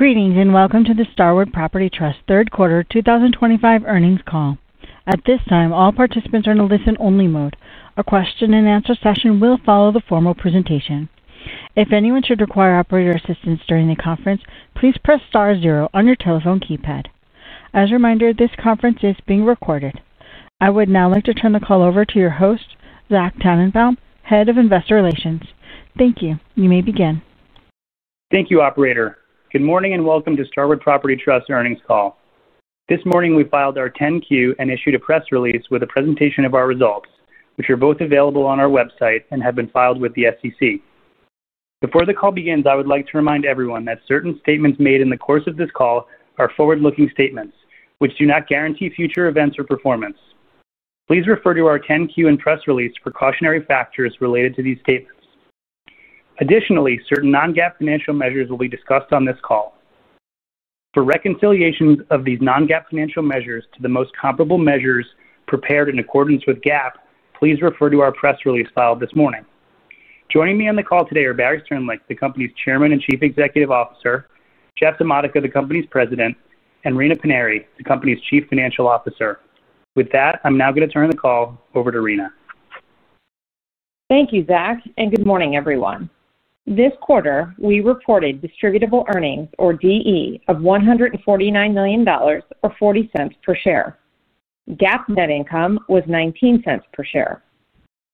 Greetings and welcome to the Starwood Property Trust Third Quarter 2025 Earnings Call. At this time, all participants are in a listen-only mode. A question-and-answer session will follow the formal presentation. If anyone should require operator assistance during the conference, please press star zero on your telephone keypad. As a reminder, this conference is being recorded. I would now like to turn the call over to your host, Zack Tanenbaum, Head of Investor Relations. Thank you. You may begin. Thank you, operator. Good morning and welcome to Starwood Property Trust Earnings Call. This morning, we filed our 10Q, and issued a press release with a presentation of our results, which are both available on our website and have been filed with the SEC. Before the call begins, I would like to remind everyone that certain statements made in the course of this call are forward-looking statements, which do not guarantee,, future events or performance. Please refer to our 10Q and press release, for cautionary factors related to these statements. Additionally, certain non-GAAP, financial measures will be discussed on this call. For reconciliations of these non-GAAP, financial measures to the most comparable measures prepared in accordance with GAAP, please refer to our press release filed this morning. Joining me on the call today are Barry Sternlicht, the company's Chairman and Chief Executive Officer, Jeff DiModica, the company's President, and Rina Paniry, the company's Chief Financial Officer. With that, I'm now going to turn the call over to Rina. Thank you, Zack, and good morning, everyone. This quarter, we reported distributable earnings, or DE, of $1.49 per share. GAAP, net income was $0.19 per share.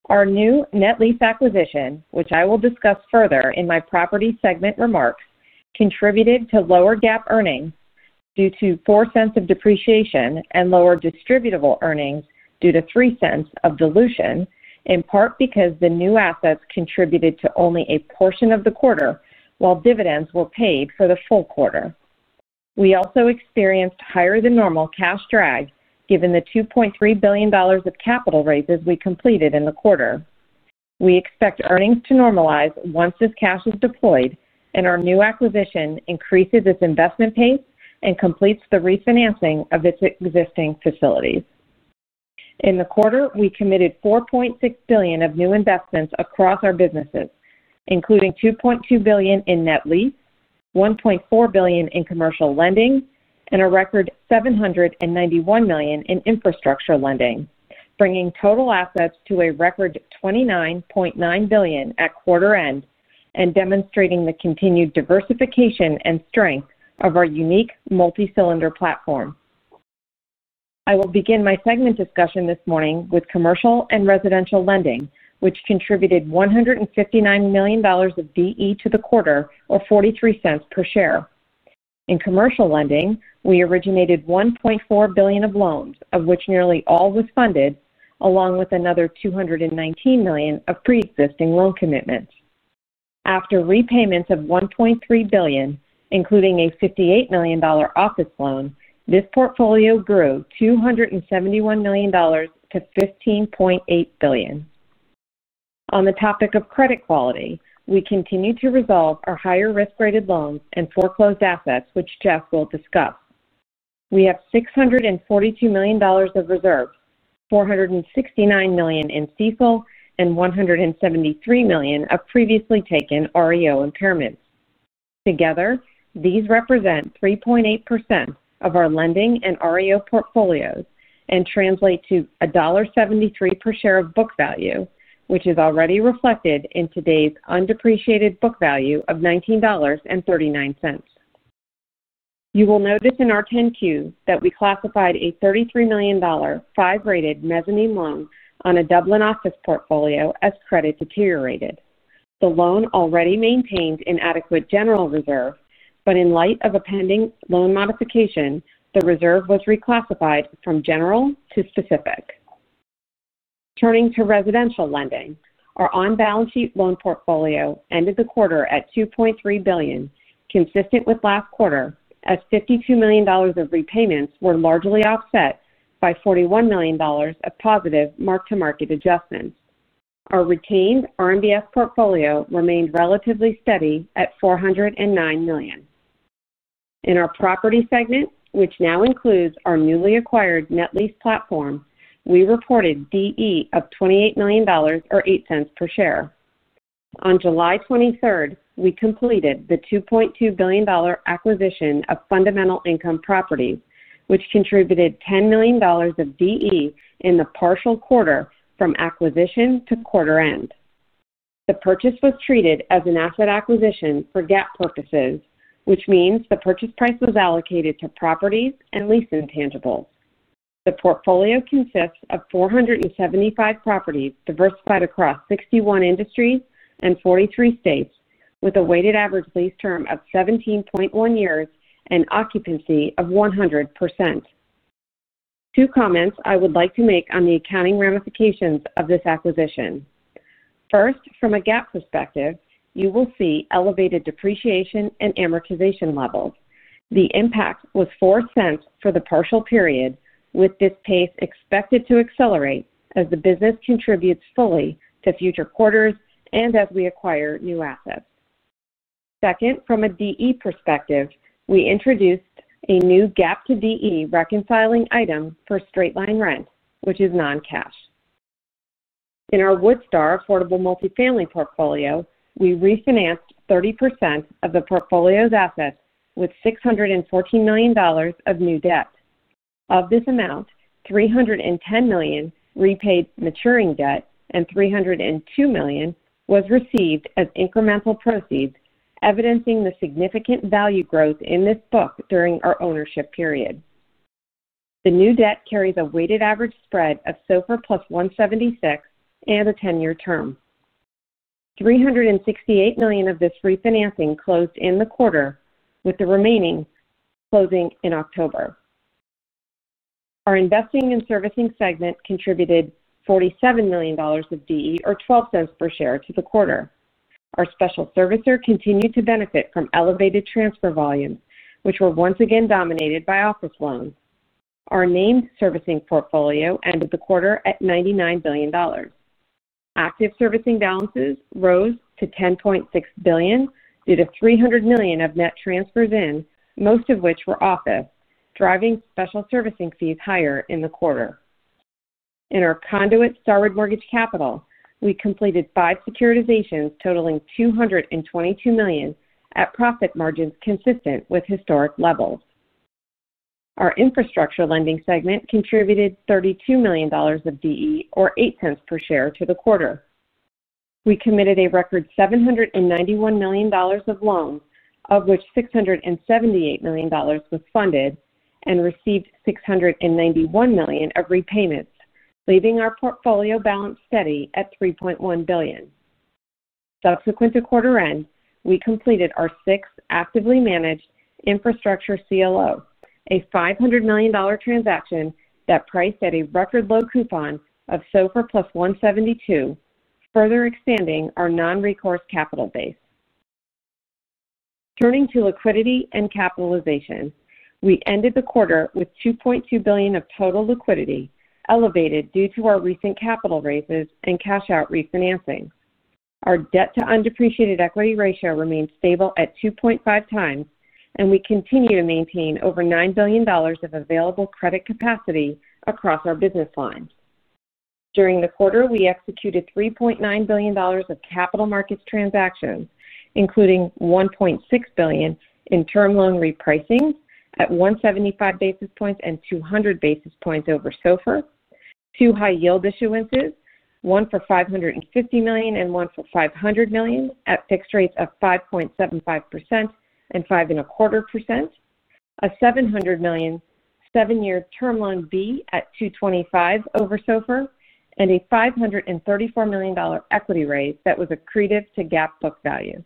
Our new net lease acquisition, which I will discuss further in my property segment remarks, contributed to lower GAAP earnings, due to $0.04, of depreciation and lower distributable earnings, due to $0.03, of dilution, in part because the new assets contributed to only a portion of the quarter, while dividends, were paid for the full quarter. We also experienced higher-than-normal cash drag given the $2.3 billion, of capital raises we completed in the quarter. We expect earnings to normalize once this cash, is deployed and our new acquisition increases its investment pace and completes the refinancing of its existing facilities. In the quarter, we committed $4.6 billion, of new investments across our businesses, including $2.2 billion, in net lease, $1.4 billion, in commercial lending, and a record $791 million, in infrastructure lending, bringing total assets, to a record $29.9 billion, at quarter-end, and demonstrating the continued diversification and strength of our unique multi-cylinder platform. I will begin my segment discussion this morning with commercial and residential lending, which contributed $159 million, of DE, to the quarter, or $0.43 per share. In commercial lending, we originated $1.4 billion, of loans, of which nearly all was funded, along with another $219 million, of pre-existing loan commitments. After repayments of $1.3 billion, including a $58 million, office loan, this portfolio grew $271 million to $15.8 billion. On the topic of credit quality, we continue to resolve our higher-risk-rated loans and foreclosed assets, which Jeff, will discuss. We have $642 million, of reserves, $469 million, in CECL, and $173 million, of previously taken REO, impairments. Together, these represent 3.8%, of our lending and REO, portfolios and translate to $1.73 per share, of book value, which is already reflected in today's undepreciated book value of $19.39. You will notice in our 10Q, that we classified a $33 million, 5-rated mezzanine loan, on a Dublin office, portfolio as credit deteriorated. The loan already maintained an adequate general reserve, but in light of a pending loan modification, the reserve was reclassified from general to specific. Turning to residential lending, our on-balance sheet loan portfolio ended the quarter, at $2.3 billion, consistent with last quarter, as $52 million, of repayments were largely offset by $41 million, of positive mark-to-market adjustments. Our retained RMBS, portfolio remained relatively steady at $409 million. In our property segment, which now includes our newly acquired net lease platform, we reported DE, of $28 million, or $0.08 per share. On July 23, we completed the $2.2 billion, acquisition of Fundamental Income Properties, which contributed $10 million, of DE, in the partial quarter, from acquisition to quarter-end. The purchase was treated as an asset acquisition for GAAP, purposes, which means the purchase price was allocated to properties and lease intangibles. The portfolio consists of 475 properties, diversified across 61 industries, and 43 states, with a weighted average lease term of 17.1 years, and occupancy of 100%. Two comments I would like to make on the accounting ramifications, of this acquisition. First, from a GAAP, perspective, you will see elevated depreciation and amortization levels. The impact was 4 cents, for the partial period, with this pace expected to accelerate as the business contributes fully to future quarters, and as we acquire new assets. Second, from a DE, perspective, we introduced a new GAAP-to-DE, reconciling item for straight-line rent, which is non-cash. In our Woodstar Affordable Multifamily portfolio, we refinanced 30%, of the portfolio's assets with $614 million, of new debt. Of this amount, $310 million, repaid maturing debt and $302 million, was received as incremental proceeds, evidencing the significant value growth in this book during our ownership period. The new debt carries a weighted average spread of SOFR, plus 176 basis points, and a 10-year term. $368 million, of this refinancing closed in the quarter, with the remaining closing in October. Our investing and servicing segment contributed $47 million of DE, or 12 cents per share, to the quarter. Our special servicer continued to benefit from elevated transfer volumes, which were once again dominated by office loans. Our named servicing portfolio ended the quarter at $99 billion. Active servicing balances, rose to $10.6 billion, due to $300 million, of net transfers in, most of which were office, driving special servicing fees higher in the quarter. In our conduit Starwood Mortgage Capital, we completed five securitizations totaling $222 million, at profit margins consistent with historic levels. Our infrastructure lending segment contributed $32 million of DE, or $0.08 per share, to the quarter. We committed a record $791 million of loans, of which $678 million, was funded, and received $691 million, of repayments, leaving our portfolio balance steady at $3.1 billion. Subsequent to quarter-end, we completed our sixth actively managed infrastructure CLO, a $500 million, transaction that priced at a record low coupon of SOFR, plus 172 basis points, further expanding our non-recourse capital base. Turning to liquidity and capitalization, we ended the quarter, with $2.2 billion, of total liquidity, elevated due to our recent capital raises and cash-out refinancing. Our debt-to-undepreciated equity ratio, remained stable at 2.5 times, and we continue to maintain over $9 billion, of available credit capacity, across our business lines. During the quarter, we executed $3.9 billion, of capital markets transactions, including $1.6 billion, in term loan repricings at 175 basis points, and 200 basis points, over SOFR, two high-yield issuances, one for $550 million, and one for $500 million, at fixed rates, of 5.75% and 5.25%, a $700 million, seven-year term loan, B at $225 over SOFR, and a $534 million, equity, raise that was accretive to GAAP, book value.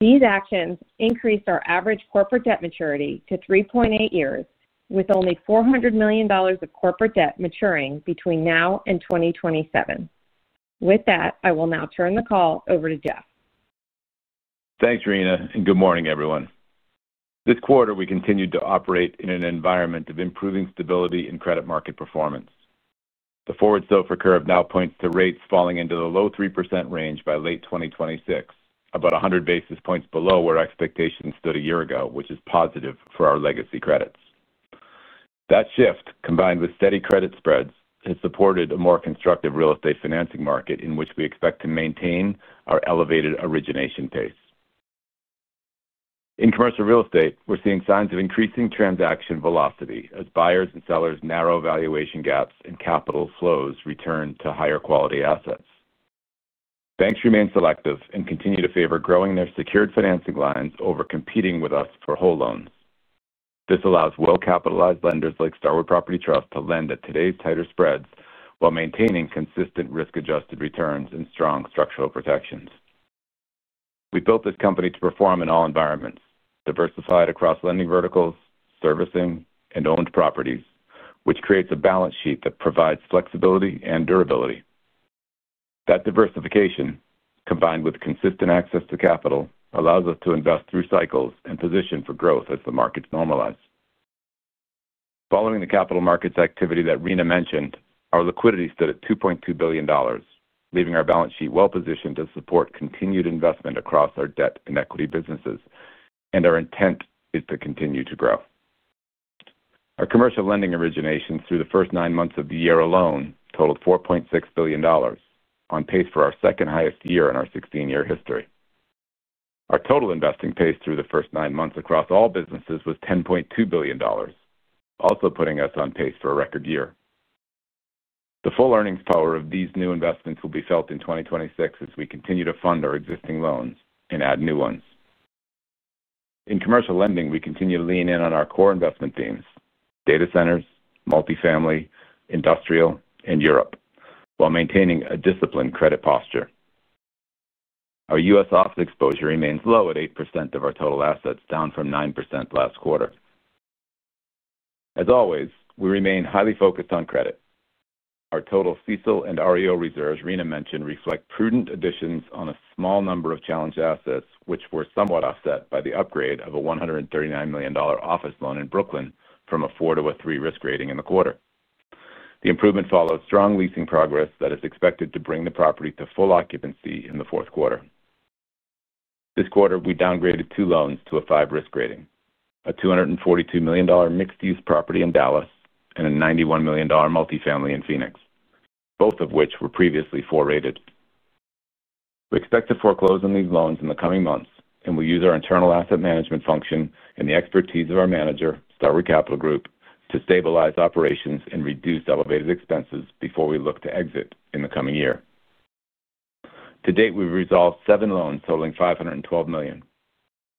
These actions increased our average corporate debt maturity to 3.8 years, with only $400 million, of corporate debt, maturing between now and 2027. With that, I will now turn the call over to Jeff. Thanks, Rina, and good morning, everyone. This quarter, we continued to operate in an environment of improving stability in credit market performance. The forward SOFR curve now points to rates falling into the low 3% range by late 2026, about 100 basis points below where expectations stood a year ago, which is positive for our legacy credits. That shift, combined with steady credit spreads, has supported a more constructive real estate financing market in which we expect to maintain our elevated origination pace. In commercial real estate, we're seeing signs of increasing transaction velocity as buyers and sellers narrow valuation gaps and capital flows return to higher-quality assets. Banks remain selective and continue to favor growing their secured financing lines over competing with us for whole loans. This allows well-capitalized lenders like Starwood Property Trust to lend at today's tighter spreads while maintaining consistent risk-adjusted returns and strong structural protections. We built this company to perform in all environments, diversified across lending verticals, servicing, and owned properties, which creates a balance sheet that provides flexibility and durability. That diversification, combined with consistent access to capital, allows us to invest through cycles and position for growth as the markets normalize. Following the capital markets activity that Rina mentioned, our liquidity stood at $2.2 billion, leaving our balance sheet well-positioned to support continued investment across our debt and equity businesses, and our intent is to continue to grow. Our commercial lending originations through the first nine months of the year alone totaled $4.6 billion, on pace for our second-highest year in our 16-year history. Our total investing pace through the first nine months across all businesses was $10.2 billion, also putting us on pace for a record year. The full earnings power of these new investments will be felt in 2026 as we continue to fund our existing loans and add new ones. In commercial lending, we continue to lean in on our core investment themes: data centers, multifamily, industrial, and Europe, while maintaining a disciplined credit posture. Our U.S. office exposure remains low at 8% of our total assets, down from 9% last quarter. As always, we remain highly focused on credit. Our total CECL and REO reserves Rina mentioned reflect prudent additions on a small number of challenged assets, which were somewhat offset by the upgrade of a $139 million office loan in Brooklyn from a 4 to a 3 risk rating in the quarter. The improvement follows strong leasing progress that is expected to bring the property to full occupancy in the fourth quarter. This quarter, we downgraded two loans to a 5 risk rating: a $242 million mixed-use property in Dallas and a $91 million multifamily in Phoenix, both of which were previously 4-rated. We expect to foreclose on these loans in the coming months, and we use our internal asset management function and the expertise of our manager, Starwood Capital Group, to stabilize operations and reduce elevated expenses before we look to exit in the coming year. To date, we've resolved seven loans totaling $512 million.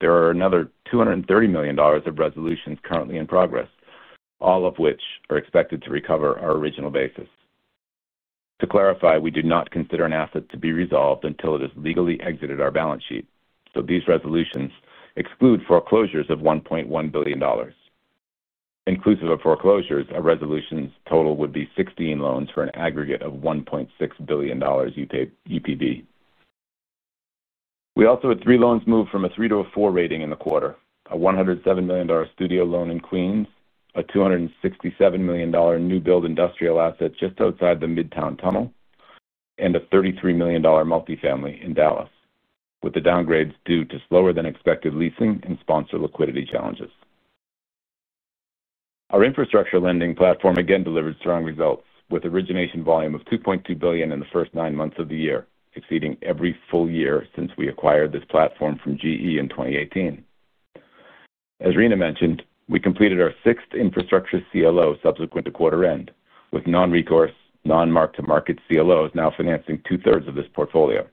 There are another $230 million of resolutions currently in progress, all of which are expected to recover our original basis. To clarify, we do not consider an asset to be resolved until it has legally exited our balance sheet, so these resolutions exclude foreclosures of $1.1 billion. Inclusive of foreclosures, our resolutions total would be 16 loans for an aggregate of $1.6 billion UPD. We also had three loans move from a 3 to a 4 rating in the quarter: a $107 million studio loan in Queens, a $267 million new-build industrial asset just outside the Midtown Tunnel, and a $33 million multifamily in Dallas, with the downgrades due to slower-than-expected leasing and sponsor liquidity challenges. Our infrastructure lending platform again delivered strong results, with origination volume of $2.2 billion in the first nine months of the year, exceeding every full year since we acquired this platform from GE in 2018. As Rina mentioned, we completed our sixth infrastructure CLO subsequent to quarter-end, with non-recourse, non-mark-to-market CLOs now financing two-thirds of this portfolio.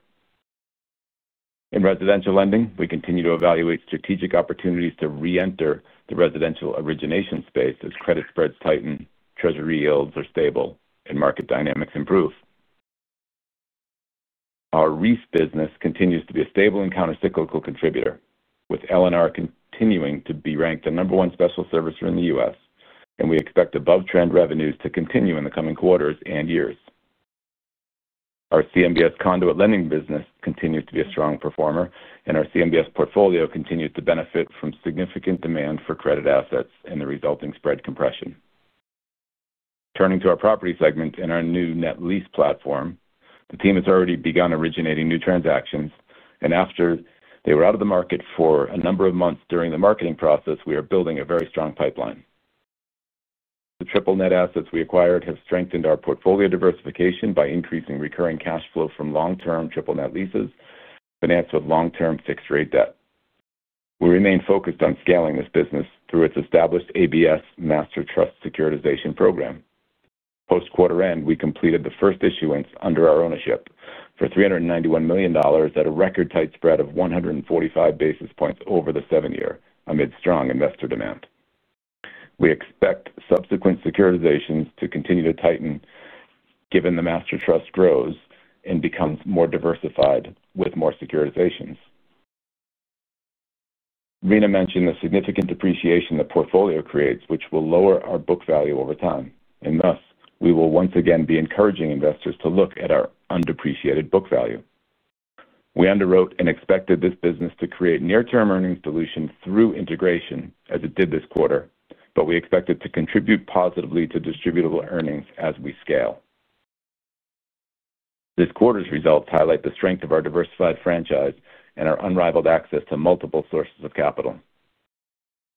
In residential lending, we continue to evaluate strategic opportunities to re-enter the residential origination space as credit spreads tighten, treasury yields are stable, and market dynamics improve. Our REIF business continues to be a stable and countercyclical contributor, with LNR Partners continuing to be ranked the number one special servicer in the U.S., and we expect above-trend revenues to continue in the coming quarters and years. Our CMBS conduit lending business continues to be a strong performer, and our CMBS portfolio continues to benefit from significant demand for credit assets and the resulting spread compression. Turning to our property segment and our new net lease platform, the team has already begun originating new transactions, and after they were out of the market for a number of months during the marketing process, we are building a very strong pipeline. The triple-net assets we acquired have strengthened our portfolio diversification by increasing recurring cash flow from long-term triple-net leases financed with long-term fixed-rate debt. We remain focused on scaling this business through its established ABS Master Trust securitization program. Post quarter-end, we completed the first issuance under our ownership for $391 million at a record-tight spread of 145 basis points over the seven-year amid strong investor demand. We expect subsequent securitizations to continue to tighten given the Master Trust grows and becomes more diversified with more securitizations. Rina mentioned the significant depreciation the portfolio creates, which will lower our book value over time, and thus we will once again be encouraging investors to look at our undepreciated book value. We underwrote and expected this business to create near-term earnings solutions through integration as it did this quarter, but we expect it to contribute positively to distributable earnings as we scale. This quarter's results highlight the strength of our diversified franchise and our unrivaled access to multiple sources of capital.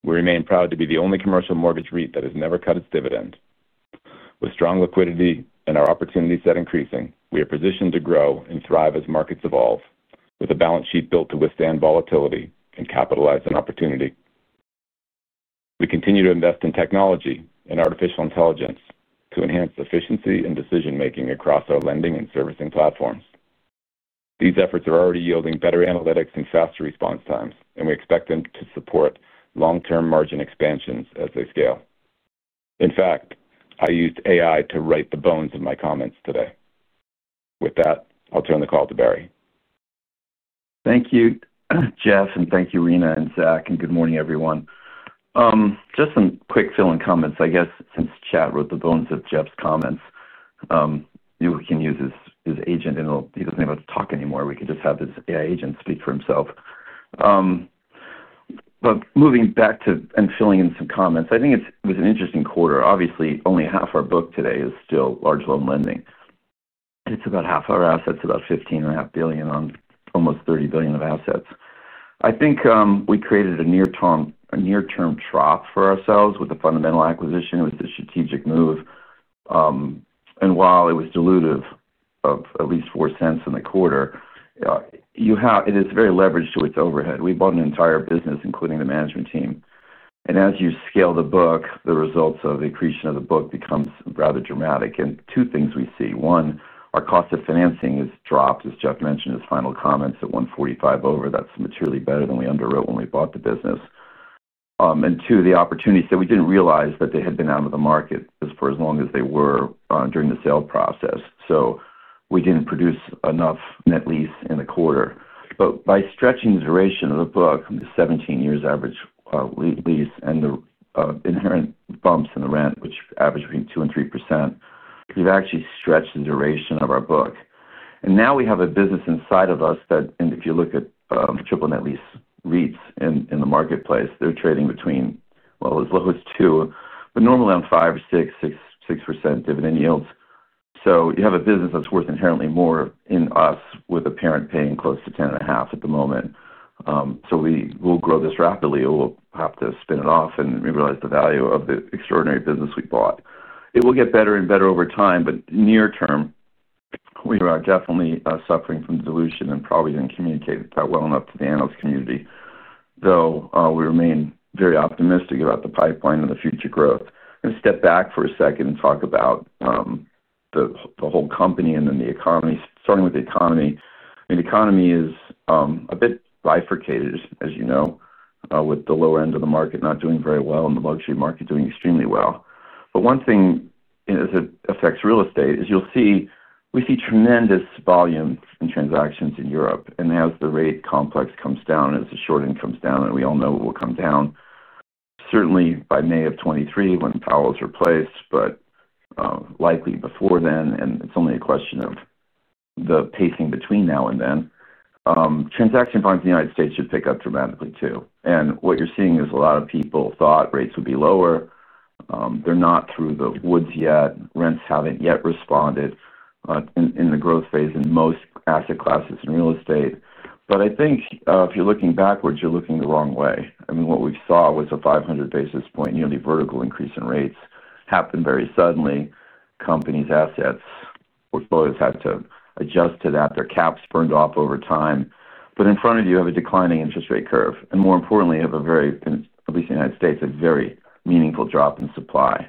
We remain proud to be the only commercial mortgage REIT that has never cut its dividend. With strong liquidity and our opportunities set increasing, we are positioned to grow and thrive as markets evolve, with a balance sheet built to withstand volatility and capitalize on opportunity. We continue to invest in technology and artificial intelligence to enhance efficiency and decision-making across our lending and servicing platforms. These efforts are already yielding better analytics and faster response times, and we expect them to support long-term margin expansions as they scale. In fact, I used AI to write the bones of my comments today. With that, I'll turn the call to Barry. Thank you, Jeff, and thank you, Rina and Zack, and good morning, everyone. Just some quick fill-in comments, I guess, since Chad wrote the bones of Jeff's comments. You can use his agent, and he does not have to talk anymore. We can just have his AI agent speak for himself. Moving back to and filling in some comments, I think it was an interesting quarter. Obviously, only half our book today is still large loan lending. It is about half our assets, about $15.5 billion on almost $30 billion of assets. I think we created a near-term trough for ourselves with the Fundamental acquisition. It was a strategic move. While it was dilutive of at least $0.04 in the quarter, it is very leveraged to its overhead. We bought an entire business, including the management team. As you scale the book, the results of the accretion of the book become rather dramatic. Two things we see. One, our cost of financing has dropped, as Jeff mentioned in his final comments at 145 over. That is materially better than we underwrote when we bought the business. Two, the opportunities that we did not realize that they had been out of the market for as long as they were during the sale process. We did not produce enough net lease in the quarter. By stretching the duration of the book, 17 years average lease and the inherent bumps in the rent, which average between 2% and 3%, we have actually stretched the duration of our book. Now we have a business inside of us that, and if you look at triple-net lease REITs in the marketplace, they're trading between, well, as low as 2, but normally on 5 or 6, 6% dividend yields. You have a business that's worth inherently more in us with a parent paying close to 10.5% at the moment. We will grow this rapidly. We'll have to spin it off and realize the value of the extraordinary business we bought. It will get better and better over time, but near-term, we are definitely suffering from dilution and probably didn't communicate that well enough to the analyst community, though we remain very optimistic about the pipeline and the future growth. I'm going to step back for a second and talk about the whole company and then the economy, starting with the economy. I mean, the economy is a bit bifurcated, as you know, with the lower end of the market not doing very well and the low-key market doing extremely well. One thing as it affects real estate is you'll see we see tremendous volume in transactions in Europe. As the rate complex comes down, as the shorting comes down, and we all know it will come down, certainly by May of 2023 when Powell is replaced, but likely before then, and it's only a question of the pacing between now and then, transaction volume in the United States should pick up dramatically too. What you're seeing is a lot of people thought rates would be lower. They're not through the woods yet. Rents have not yet responded in the growth phase in most asset classes and real estate. I think if you're looking backwards, you're looking the wrong way. I mean, what we saw was a 500 basis point nearly vertical increase in rates happen very suddenly. Companies' assets, portfolios had to adjust to that. Their caps burned off over time. In front of you, you have a declining interest rate curve. More importantly, you have a very, at least in the U.S., a very meaningful drop in supply.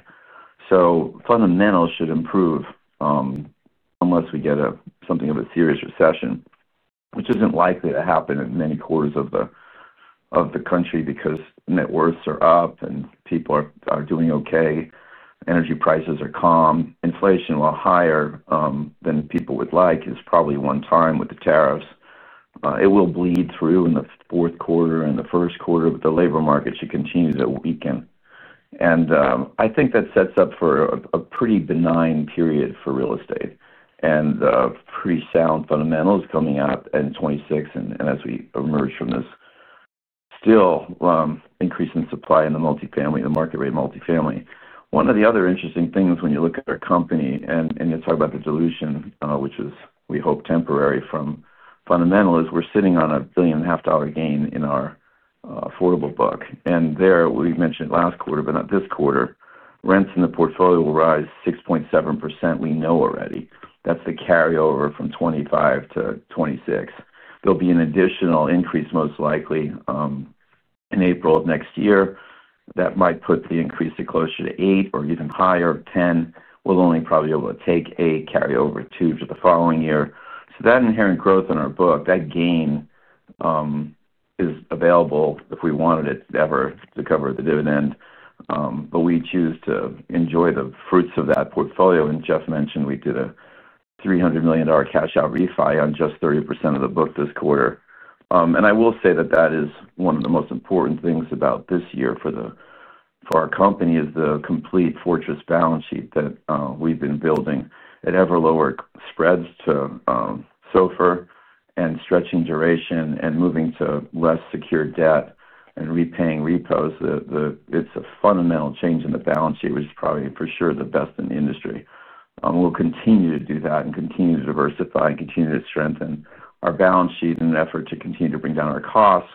Fundamentals should improve unless we get something of a serious recession, which isn't likely to happen in many quarters of the country because net worths are up and people are doing okay. Energy prices are calm. Inflation, while higher than people would like, is probably one time with the tariffs. It will bleed through in the fourth quarter and the first quarter, but the labor market should continue to weaken. I think that sets up for a pretty benign period for real estate. Pretty sound fundamentals coming out in 2026 and as we emerge from this still increase in supply in the multifamily, the market rate multifamily. One of the other interesting things when you look at our company and you talk about the dilution, which is, we hope, temporary from fundamentals, we're sitting on a $1.5 billion gain in our affordable book. There, we mentioned last quarter, but not this quarter, rents in the portfolio will rise 6.7%. We know already. That's the carryover from 2025 to 2026. There will be an additional increase most likely in April of next year that might put the increase closer to 8% or even higher. 10% will only probably be able to take a carryover to the following year. That inherent growth in our book, that gain is available if we wanted it ever to cover the dividend. We choose to enjoy the fruits of that portfolio. Jeff mentioned we did a $300 million cash-out refi on just 30% of the book this quarter. I will say that is one of the most important things about this year for our company: the complete fortress balance sheet that we have been building at ever lower spreads to SOFR and stretching duration and moving to less secured debt and repaying repos. It is a fundamental change in the balance sheet, which is probably for sure the best in the industry. will continue to do that and continue to diversify and continue to strengthen our balance sheet in an effort to continue to bring down our costs,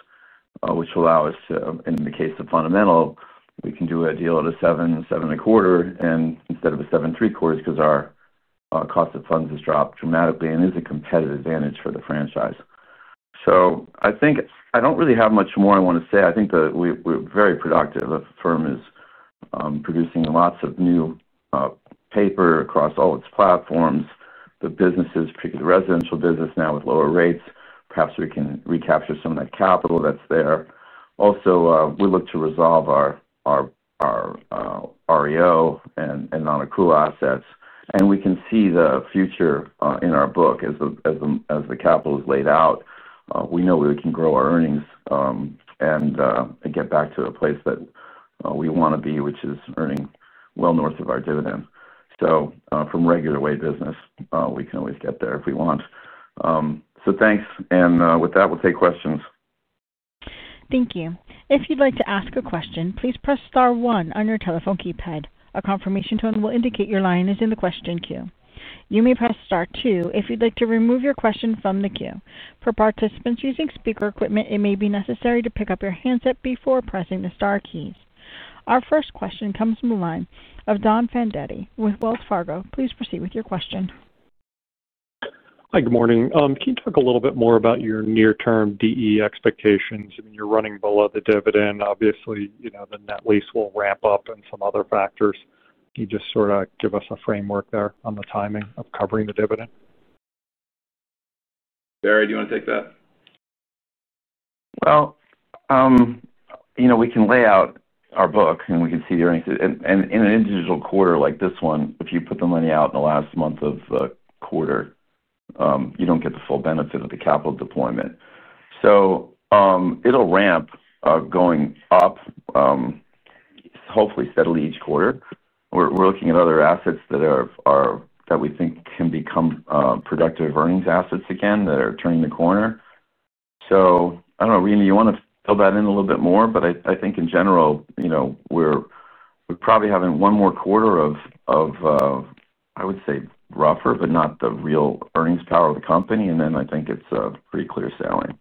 which will allow us to, in the case of Fundamental, we can do a deal at a 7, 7 and a quarter. And instead of a 7, 3 quarters, because our cost of funds has dropped dramatically and is a competitive advantage for the franchise. I think I do not really have much more I want to say. I think that we are very productive. The firm is producing lots of new paper across all its platforms. The business is picking the residential business now with lower rates. Perhaps we can recapture some of that capital that is there. Also, we look to resolve our REO and non-accrual assets. We can see the future in our book as the capital is laid out. We know we can grow our earnings and get back to a place that we want to be, which is earning well north of our dividend. From regular way of business, we can always get there if we want. Thanks. With that, we'll take questions. Thank you. If you'd like to ask a question, please press star one on your telephone keypad. A confirmation tone will indicate your line is in the question queue. You may press star two if you'd like to remove your question from the queue. For participants using speaker equipment, it may be necessary to pick up your handset before pressing the star keys. Our first question comes from the line of Don Fandetti with Wells Fargo. Please proceed with your question. Hi, good morning. Can you talk a little bit more about your near-term DE expectations? I mean, you're running below the dividend. Obviously, the net lease will ramp up and some other factors. Can you just sort of give us a framework there on the timing of covering the dividend? Barry, do you want to take that? We can lay out our book and we can see the earnings. In an individual quarter like this one, if you put the money out in the last month of the quarter, you do not get the full benefit of the capital deployment. It will ramp going up, hopefully steadily each quarter. We are looking at other assets that we think can become productive earnings assets again that are turning the corner. I do not know, Rina, you want to fill that in a little bit more? I think in general, we are probably having one more quarter of, I would say, rougher, but not the real earnings power of the company. I think it is pretty clear sailing.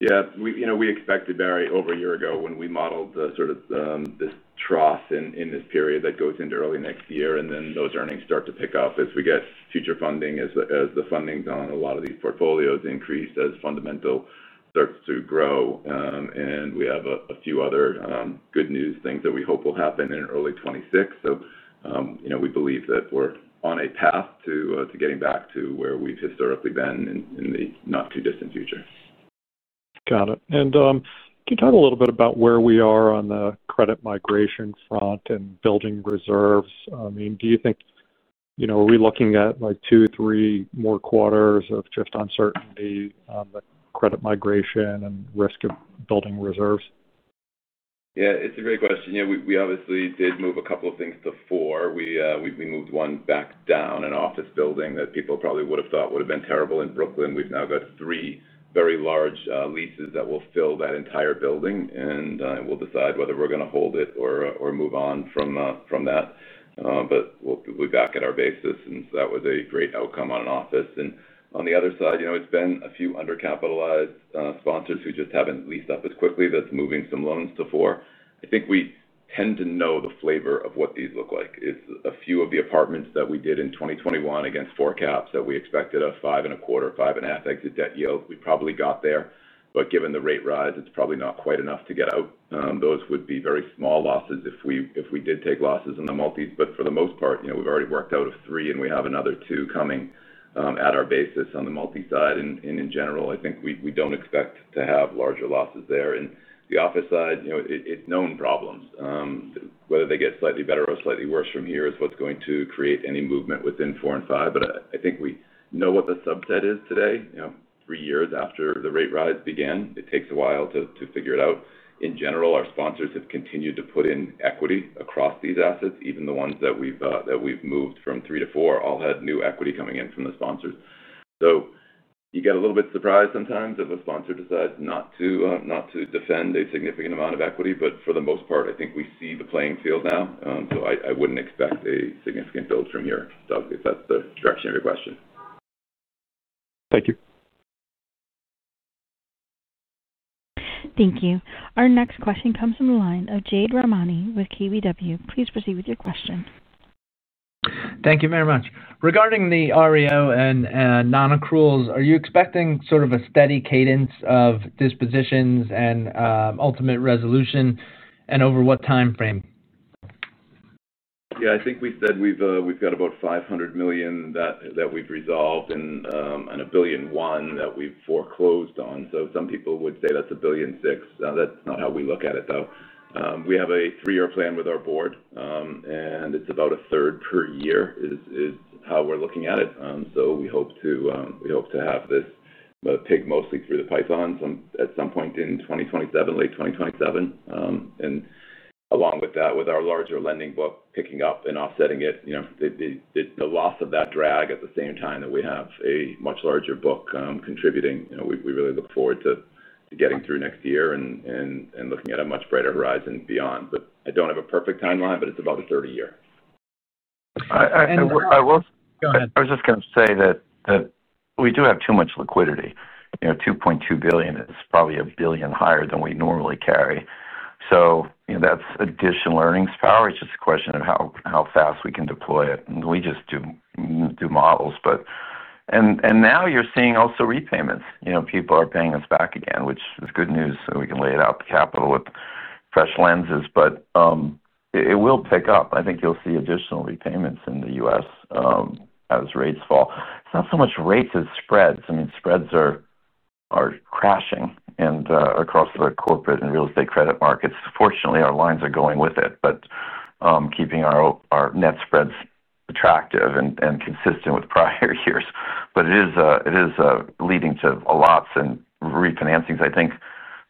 Yeah. We expected Barry over a year ago when we modeled sort of this trough in this period that goes into early next year. Those earnings start to pick up as we get future funding, as the funding on a lot of these portfolios increase, as Fundamental starts to grow. We have a few other good news things that we hope will happen in early 2026. We believe that we are on a path to getting back to where we have historically been in the not too distant future. Got it. Can you talk a little bit about where we are on the credit migration front and building reserves? I mean, do you think are we looking at two, three more quarters of just uncertainty on the credit migration and risk of building reserves? Yeah, it's a great question. We obviously did move a couple of things to four. We moved one back down, an office building that people probably would have thought would have been terrible in Brooklyn. We've now got three very large leases that will fill that entire building. We will decide whether we're going to hold it or move on from that. We are back at our basis. That was a great outcome on an office. On the other side, it's been a few undercapitalized sponsors who just haven't leased up as quickly. That's moving some loans to four. I think we tend to know the flavor of what these look like. It's a few of the apartments that we did in 2021 against four caps that we expected a 5.25%-5.5% exit debt yield. We probably got there. Given the rate rise, it's probably not quite enough to get out. Those would be very small losses if we did take losses in the multis. For the most part, we've already worked out of three, and we have another two coming at our basis on the multi side. In general, I think we don't expect to have larger losses there. On the office side, it's known problems. Whether they get slightly better or slightly worse from here is what's going to create any movement within four and five. I think we know what the subset is today. Three years after the rate rise began, it takes a while to figure it out. In general, our sponsors have continued to put in equity across these assets. Even the ones that we've moved from three to four all had new equity coming in from the sponsors. You get a little bit surprised sometimes if a sponsor decides not to defend a significant amount of equity. For the most part, I think we see the playing field now. I would not expect a significant build from here, Doug, if that is the direction of your question. Thank you. Thank you. Our next question comes from the line of Jade Rahmani with KBW. Please proceed with your question. Thank you very much. Regarding the REO and non-accruals, are you expecting sort of a steady cadence of dispositions and ultimate resolution and over what time frame? Yeah, I think we said we've got about $500 million that we've resolved and $1.1 billion that we've foreclosed on. Some people would say that's $1.6 billion. That's not how we look at it, though. We have a three-year plan with our board, and it's about a third per year is how we're looking at it. We hope to have this pig mostly through the python at some point in 2027, late 2027. Along with that, with our larger lending book picking up and offsetting it, the loss of that drag at the same time that we have a much larger book contributing, we really look forward to getting through next year and looking at a much brighter horizon beyond. I don't have a perfect timeline, but it's about a three-year. I will. Go ahead. I was just going to say that we do have too much liquidity. $2.2 billion is probably a billion higher than we normally carry. So that's additional earnings power. It's just a question of how fast we can deploy it. And we just do models. Now you're seeing also repayments. People are paying us back again, which is good news. We can lay it out, capital with fresh lenses. It will pick up. I think you'll see additional repayments in the U.S. as rates fall. It's not so much rates as spreads. I mean, spreads are crashing across the corporate and real estate credit markets. Fortunately, our lines are going with it, but keeping our net spreads attractive and consistent with prior years. It is leading to lots and refinancings. I think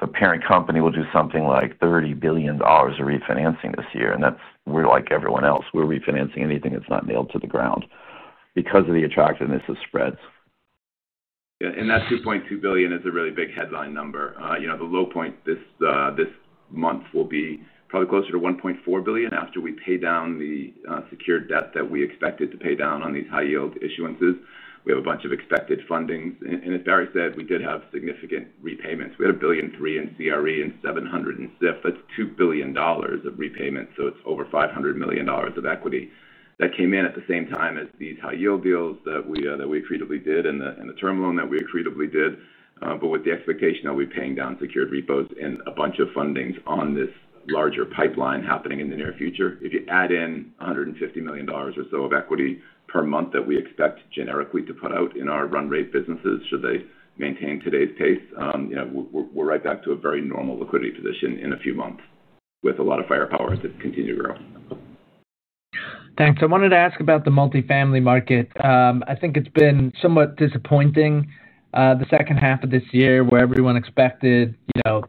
the parent company will do something like $30 billion of refinancing this year. We're like everyone else. We're refinancing anything that's not nailed to the ground because of the attractiveness of spreads. Yeah. That $2.2 billion is a really big headline number. The low point this month will be probably closer to $1.4 billion after we pay down the secured debt that we expected to pay down on these high-yield issuances. We have a bunch of expected fundings. As Barry said, we did have significant repayments. We had $1.3 billion in CRE and $700 million in SIF. That is $2 billion of repayments. It is over $500 million of equity that came in at the same time as these high-yield deals that we accretively did and the term loan that we accretively did, with the expectation that we are paying down secured repos and a bunch of fundings on this larger pipeline happening in the near future. If you add in $150 million or so of equity per month that we expect generically to put out in our run rate businesses should they maintain today's pace, we're right back to a very normal liquidity position in a few months with a lot of firepower to continue to grow. Thanks. I wanted to ask about the multifamily market. I think it's been somewhat disappointing the second half of this year where everyone expected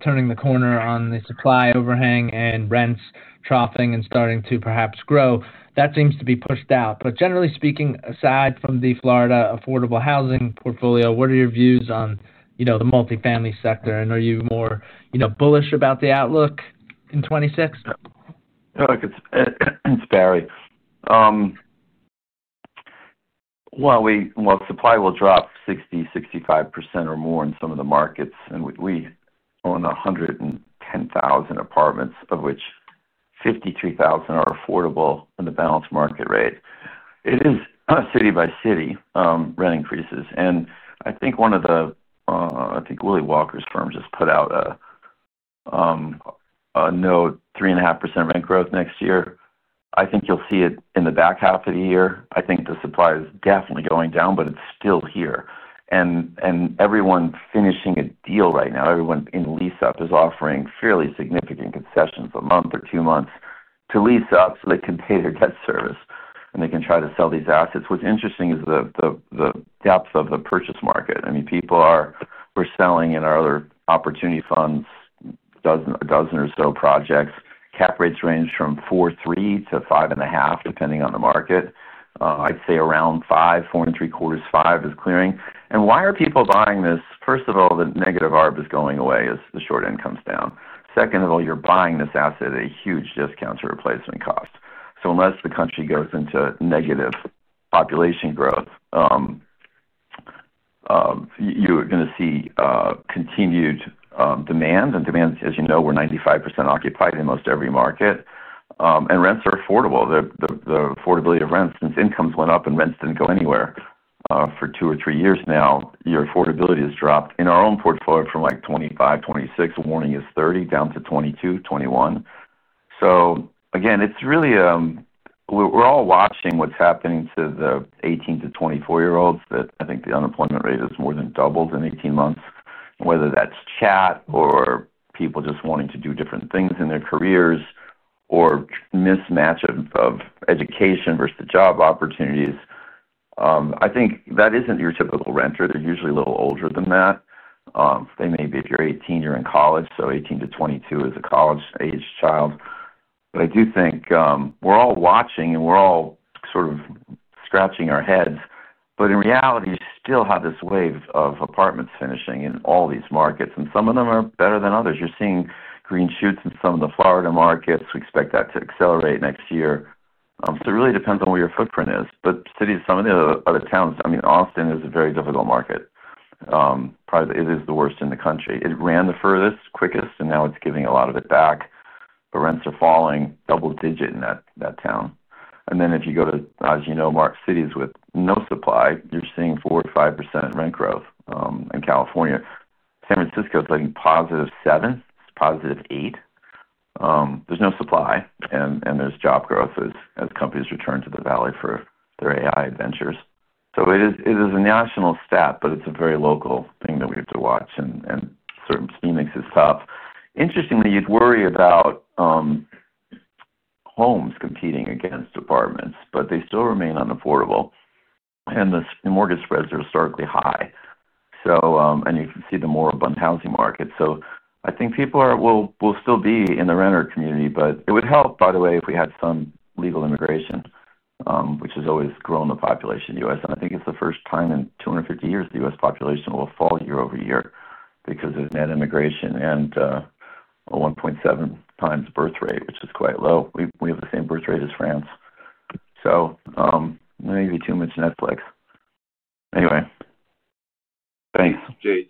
turning the corner on the supply overhang and rents troughing and starting to perhaps grow. That seems to be pushed out. Generally speaking, aside from the Florida affordable housing portfolio, what are your views on the multifamily sector? Are you more bullish about the outlook in 2026? Look, it's Barry. Supply will drop 60-65% or more in some of the markets. And we own 110,000 apartments, of which 53,000 are affordable in the balanced market rate. It is city by city rent increases. I think one of the, I think Willy Walker's firm just put out a note, 3.5% rent growth next year. I think you'll see it in the back half of the year. I think the supply is definitely going down, but it's still here. Everyone finishing a deal right now, everyone in lease-up is offering fairly significant concessions a month or two months to lease-up so they can pay their debt service and they can try to sell these assets. What's interesting is the depth of the purchase market. I mean, people are selling in our other opportunity funds, a dozen or so projects. Cap rates range from 4.3-5.5%, depending on the market. I'd say around 5%, 4.75%, 5% is clearing. And why are people buying this? First of all, the negative ARB is going away as the short end comes down. Second of all, you're buying this asset at a huge discount to replacement cost. So unless the country goes into negative population growth, you're going to see continued demand. And demand, as you know, we're 95% occupied in most every market. And rents are affordable. The affordability of rents, since incomes went up and rents didn't go anywhere for two or three years now, your affordability has dropped. In our own portfolio from like 25, 26, warning is 30 down to 22, 21. Again, it's really we're all watching what's happening to the 18-24-year-olds that I think the unemployment rate has more than doubled in 18 months. Whether that's chat or people just wanting to do different things in their careers or mismatch of education versus the job opportunities, I think that isn't your typical renter. They're usually a little older than that. They may be if you're 18, you're in college. So 18-22 is a college-aged child. I do think we're all watching and we're all sort of scratching our heads. In reality, you still have this wave of apartments finishing in all these markets. Some of them are better than others. You're seeing green shoots in some of the Florida markets. We expect that to accelerate next year. It really depends on where your footprint is. Cities, some of the other towns, I mean, Austin is a very difficult market. It is the worst in the country. It ran the furthest, quickest, and now it's giving a lot of it back. Rents are falling double-digit in that town. If you go to, as you know, Mark's cities with no supply, you're seeing 4% or 5% rent growth in California. San Francisco is like positive 7%, positive 8%. There's no supply. There's job growth as companies return to the valley for their AI ventures. It is a national stat, but it's a very local thing that we have to watch. Certain streamings is tough. Interestingly, you'd worry about homes competing against apartments, but they still remain unaffordable. Mortgage spreads are historically high. You can see the more abundant housing market. I think people will still be in the renter community. It would help, by the way, if we had some legal immigration, which has always grown the population in the U.S. I think it's the first time in 250 years the U.S. population will fall year over year because of net immigration and a 1.7 times birth rate, which is quite low. We have the same birth rate as France. Maybe too much Netflix. Anyway, thanks. Jade,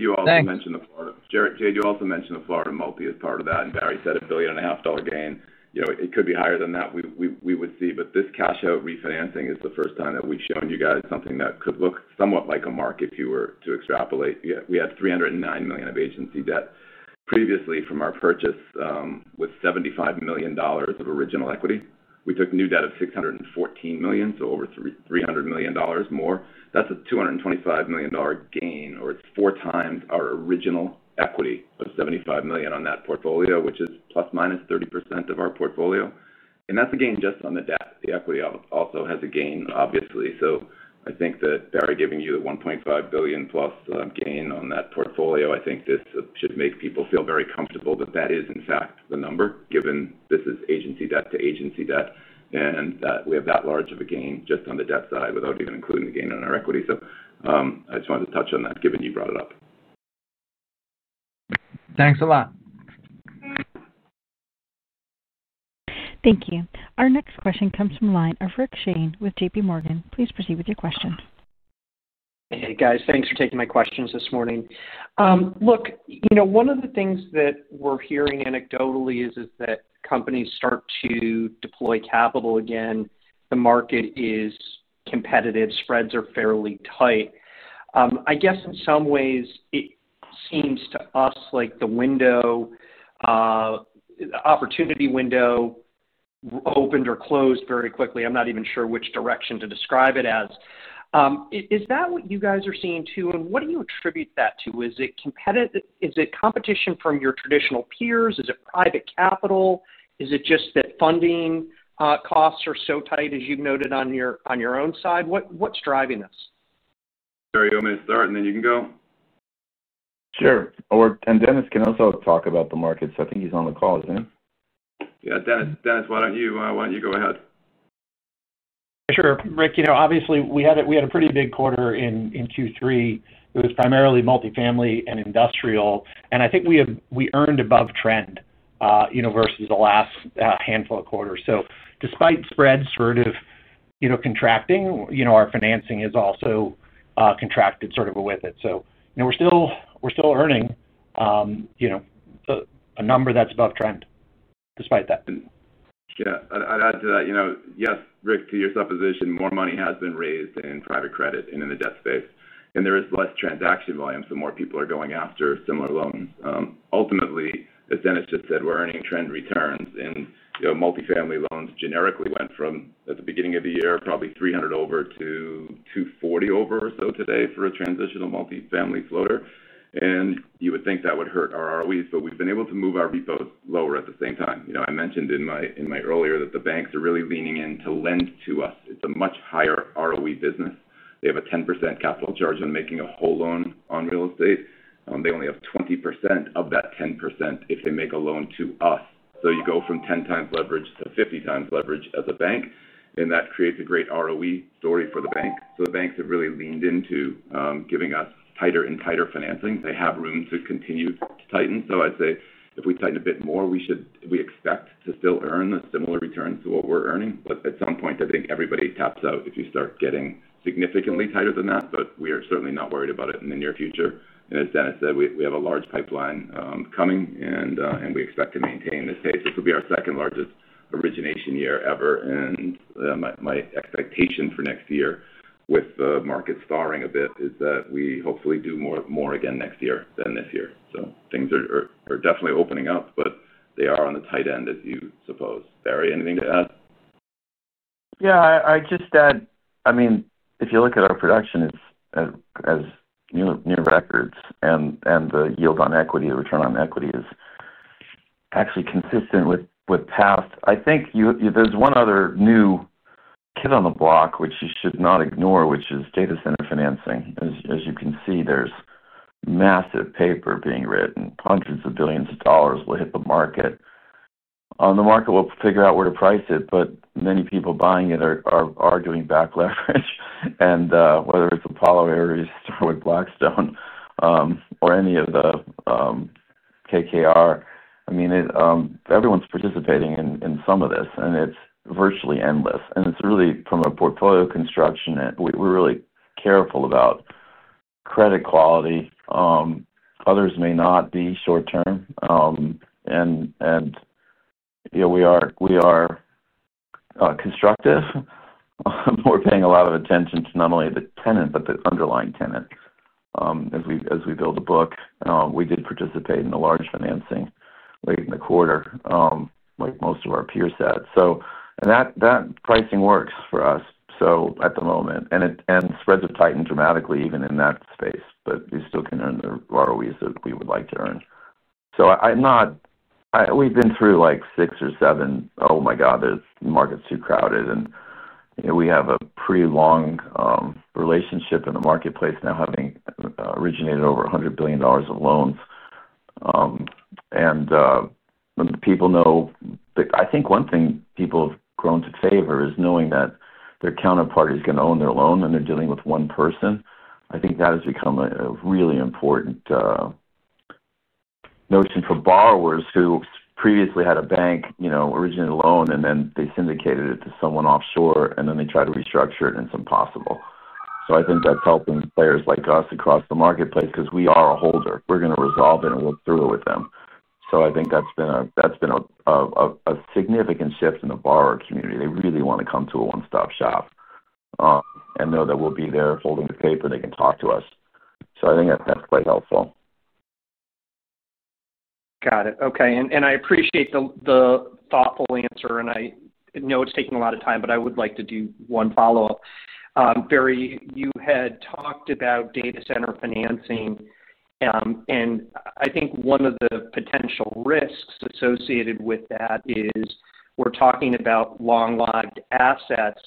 you also mentioned the Florida multi as part of that. Barry said a billion and a half dollar gain. It could be higher than that. We would see. This cash-out refinancing is the first time that we've shown you guys something that could look somewhat like a market if you were to extrapolate. We had $309 million of agency debt previously from our purchase with $75 million of original equity. We took new debt of $614 million, so over $300 million more. That is a $225 million gain, or it is four times our original equity of $75 million on that portfolio, which is plus minus 30% of our portfolio. That is a gain just on the debt. The equity also has a gain, obviously. I think that Barry giving you the $1.5 billion plus gain on that portfolio, I think this should make people feel very comfortable that that is, in fact, the number, given this is agency debt to agency debt. We have that large of a gain just on the debt side without even including the gain on our equity. I just wanted to touch on that, given you brought it up. Thanks a lot. Thank you. Our next question comes from the line of Rick Shane with JPMorgan. Please proceed with your question. Hey, guys. Thanks for taking my questions this morning. Look, one of the things that we're hearing anecdotally is that companies start to deploy capital again. The market is competitive. Spreads are fairly tight. I guess in some ways, it seems to us like the window, the opportunity window opened or closed very quickly. I'm not even sure which direction to describe it as. Is that what you guys are seeing too? What do you attribute that to? Is it competition from your traditional peers? Is it private capital? Is it just that funding costs are so tight, as you've noted on your own side? What's driving this? Sorry, you want me to start, and then you can go. Sure. Dennis can also talk about the markets. I think he's on the call, isn't he? Yeah, Dennis, why don't you go ahead? Sure. Rick, obviously, we had a pretty big quarter in Q3. It was primarily multifamily and industrial. I think we earned above trend versus the last handful of quarters. Despite spreads sort of contracting, our financing has also contracted sort of with it. We are still earning a number that is above trend despite that. Yeah. I'd add to that. Yes, Rick, to your supposition, more money has been raised in private credit and in the debt space. There is less transaction volume, so more people are going after similar loans. Ultimately, as Dennis just said, we're earning trend returns. Multifamily loans generically went from, at the beginning of the year, probably 300 over to 240 over or so today for a transitional multifamily floater. You would think that would hurt our ROEs, but we've been able to move our repos lower at the same time. I mentioned in my earlier that the banks are really leaning in to lend to us. It's a much higher ROE business. They have a 10% capital charge on making a whole loan on real estate. They only have 20% of that 10% if they make a loan to us. You go from 10 times leverage to 50 times leverage as a bank, and that creates a great ROE story for the bank. The banks have really leaned into giving us tighter and tighter financing. They have room to continue to tighten. I'd say if we tighten a bit more, we expect to still earn a similar return to what we're earning. At some point, I think everybody taps out if you start getting significantly tighter than that. We are certainly not worried about it in the near future. As Dennis said, we have a large pipeline coming, and we expect to maintain this pace. This will be our second largest origination year ever. My expectation for next year, with the market sparring a bit, is that we hopefully do more again next year than this year. Things are definitely opening up, but they are on the tight end, as you suppose. Barry, anything to add? Yeah. I mean, if you look at our production as near records, and the yield on equity, the return on equity is actually consistent with past. I think there's one other new kid on the block, which you should not ignore, which is data center financing. As you can see, there's massive paper being written. Hundreds of billions of dollars will hit the market. The market will figure out where to price it, but many people buying it are doing back leverage. Whether it's Apollo, Ares, Starwood, Blackstone, or any of the KKR, I mean, everyone's participating in some of this, and it's virtually endless. It's really, from a portfolio construction, we're really careful about credit quality. Others may not be short-term. We are constructive. We're paying a lot of attention to not only the tenant, but the underlying tenant as we build a book. We did participate in the large financing late in the quarter, like most of our peers said. That pricing works for us at the moment. Spreads have tightened dramatically even in that space, but we still can earn the ROEs that we would like to earn. We have been through like six or seven, "Oh my God, the market's too crowded." We have a pretty long relationship in the marketplace now, having originated over $100 billion of loans. People know that I think one thing people have grown to favor is knowing that their counterpart is going to own their loan, and they are dealing with one person. I think that has become a really important notion for borrowers who previously had a bank originally loan, and then they syndicated it to someone offshore, and then they try to restructure it in some possible. I think that's helping players like us across the marketplace because we are a holder. We're going to resolve it, and we'll throw it with them. I think that's been a significant shift in the borrower community. They really want to come to a one-stop shop and know that we'll be there holding the paper. They can talk to us. I think that's quite helpful. Got it. Okay. I appreciate the thoughtful answer. I know it's taking a lot of time, but I would like to do one follow-up. Barry, you had talked about data center financing. I think one of the potential risks associated with that is we're talking about long-lived assets,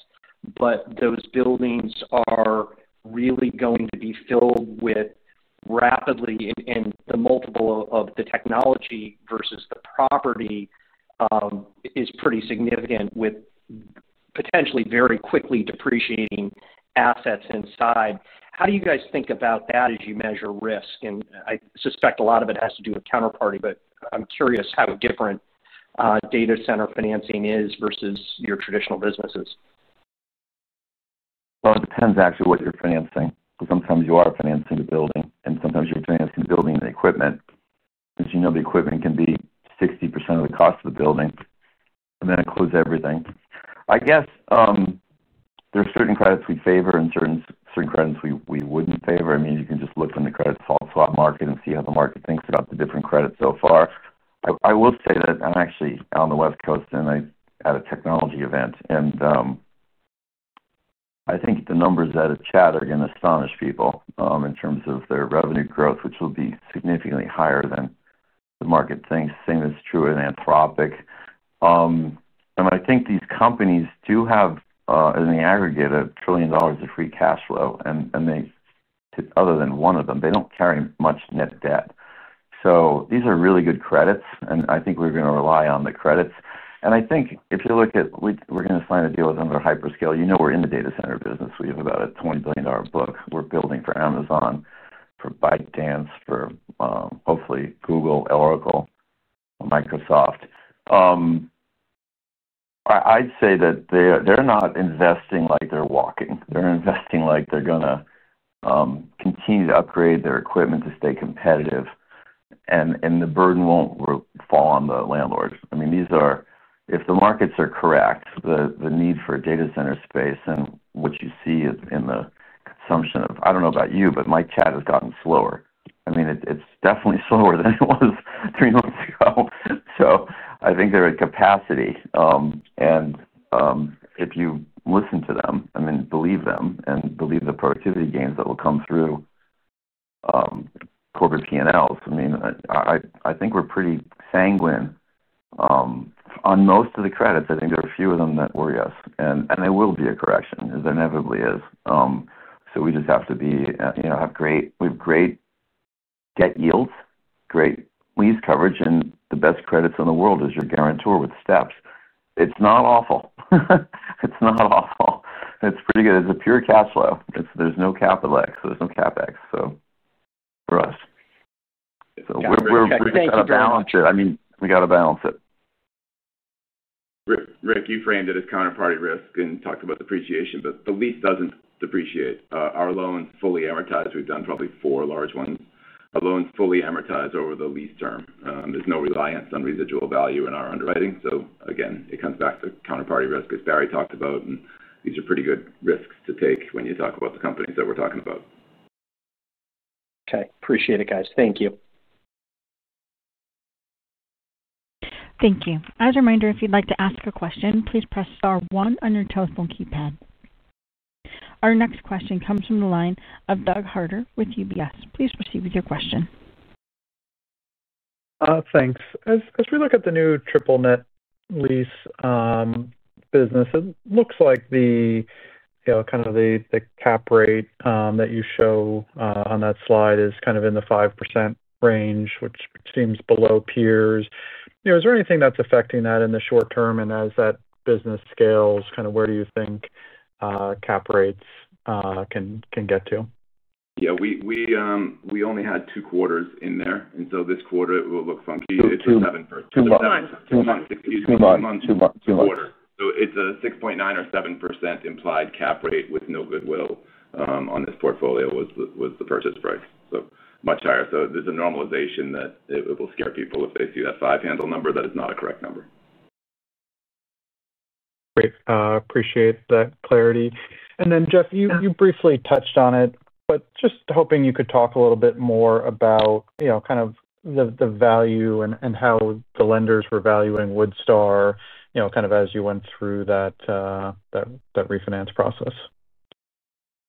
but those buildings are really going to be filled with rapidly. The multiple of the technology versus the property is pretty significant, with potentially very quickly depreciating assets inside. How do you guys think about that as you measure risk? I suspect a lot of it has to do with counterparty, but I'm curious how different data center financing is versus your traditional businesses. It depends actually what you're financing. Sometimes you are financing the building, and sometimes you're financing the building and the equipment. As you know, the equipment can be 60% of the cost of the building, and that includes everything. I guess there are certain credits we favor and certain credits we wouldn't favor. I mean, you can just look on the credit soft swap market and see how the market thinks about the different credits so far. I will say that I'm actually on the West Coast, and I had a technology event. I think the numbers that are chatting are going to astonish people in terms of their revenue growth, which will be significantly higher than the market thinks. Same is true in Anthropic. I think these companies do have, in the aggregate, a trillion dollars of free cash flow. Other than one of them, they do not carry much net debt. These are really good credits, and I think we are going to rely on the credits. I think if you look at we are going to sign a deal with another hyperscale. You know we are in the data center business. We have about a $20 billion book we are building for Amazon, for ByteDance, for hopefully Google, Oracle, Microsoft. I would say that they are not investing like they are walking. They are investing like they are going to continue to upgrade their equipment to stay competitive. The burden will not fall on the landlords. I mean, if the markets are correct, the need for data center space and what you see in the consumption of I do not know about you, but my chat has gotten slower. I mean, it is definitely slower than it was three months ago. I think they are at capacity. If you listen to them, I mean, believe them and believe the productivity gains that will come through corporate P&Ls, I mean, I think we're pretty sanguine on most of the credits. I think there are a few of them that were yes. There will be a correction, as there inevitably is. We just have to be, we have great debt yields, great lease coverage, and the best credits in the world as your guarantor with steps. It's not awful. It's not awful. It's pretty good. It's a pure cash flow. There's no CapEx. There's no CapEx for us. We've got to balance it. I mean, we got to balance it. Rick, you framed it as counterparty risk and talked about depreciation, but the lease does not depreciate. Our loans fully amortize. We have done probably four large ones. Our loans fully amortize over the lease term. There is no reliance on residual value in our underwriting. It comes back to counterparty risk, as Barry talked about. These are pretty good risks to take when you talk about the companies that we are talking about. Okay. Appreciate it, guys. Thank you. Thank you. As a reminder, if you'd like to ask a question, please press star one on your telephone keypad. Our next question comes from the line of Doug Harter with UBS. Please proceed with your question. Thanks. As we look at the new triple-net lease business, it looks like kind of the cap rate that you show on that slide is kind of in the 5% range, which seems below peers. Is there anything that's affecting that in the short term? As that business scales, kind of where do you think cap rates can get to? Yeah. We only had two quarters in there. This quarter, it will look funky. It's a 7%. Two months. Two months. Excuse me. Two months. Two months. Two months. It is a 6.9% or 7% implied cap rate with no goodwill on this portfolio was the purchase price. So much higher. There is a normalization that it will scare people if they see that five-handle number. That is not a correct number. Great. Appreciate that clarity. Jeff, you briefly touched on it, but just hoping you could talk a little bit more about kind of the value and how the lenders were valuing Woodstar kind of as you went through that refinance process.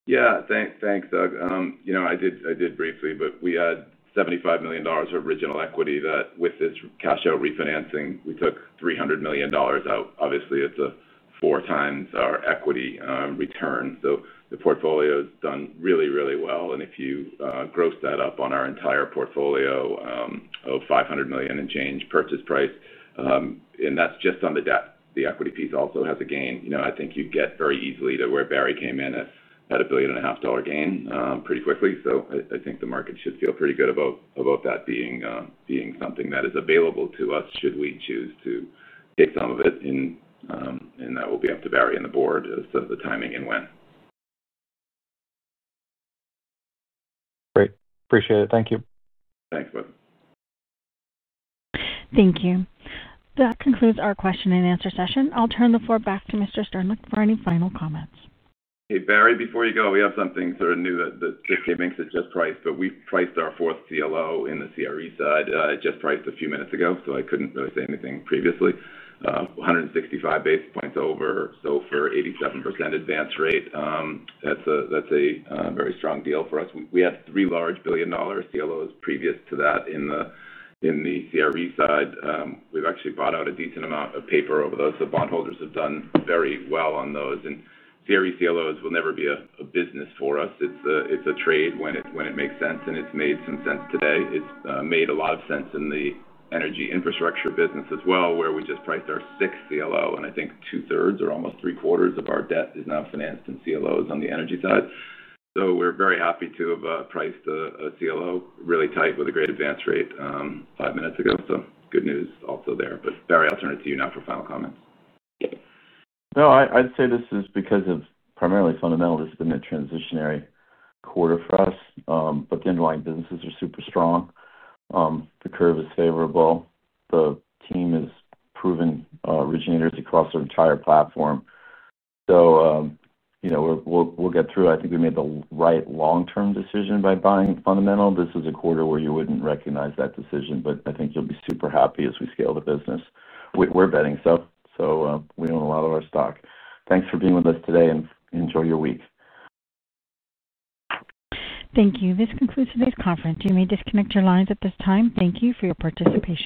Yeah. Thanks, Doug. I did briefly, but we had $75 million of original equity that, with this cash out refinancing, we took $300 million out. Obviously, it's a four times our equity return. The portfolio has done really, really well. If you gross that up on our entire portfolio of $500 million and change purchase price, and that's just on the debt, the equity piece also has a gain. I think you'd get very easily to where Barry came in at a $1.5 billion gain pretty quickly. I think the market should feel pretty good about that being something that is available to us should we choose to take some of it. That will be up to Barry and the board as to the timing and when. Great. Appreciate it. Thank you. Thanks. Bye. Thank you. That concludes our question and answer session. I'll turn the floor back to Mr. Sternlicht for any final comments. Hey, Barry, before you go, we have something sort of new that just came in because it just priced. We have priced our fourth CLO in the CRE side, just priced a few minutes ago, so I could not really say anything previously. 165 basis points over SOFR, 87% advance rate, that is a very strong deal for us. We had three large billion dollar CLOs previous to that in the CRE side. We have actually bought out a decent amount of paper over those. The bondholders have done very well on those. CRE CLOs will never be a business for us. It is a trade when it makes sense, and it has made some sense today. It has made a lot of sense in the energy infrastructure business as well, where we just priced our sixth CLO. I think two-thirds or almost three-quarters of our debt is now financed in CLOs on the energy side. We are very happy to have priced a CLO really tight with a great advance rate five minutes ago. Good news also there. Barry, I'll turn it to you now for final comments. No, I'd say this is because of primarily Fundamental. This has been a transitionary quarter for us, but the underlying businesses are super strong. The curve is favorable. The team has proven originators across our entire platform. We'll get through. I think we made the right long-term decision by buying Fundamental. This is a quarter where you wouldn't recognize that decision, but I think you'll be super happy as we scale the business. We're betting stuff, so we own a lot of our stock. Thanks for being with us today, and enjoy your week. Thank you. This concludes today's conference. You may disconnect your lines at this time. Thank you for your participation.